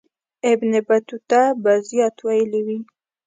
ابن بطوطه به زیات ویلي وي.